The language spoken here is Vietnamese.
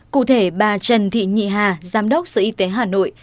cụ thể bà trần thị nhị hà giám đốc sở y tế hà nội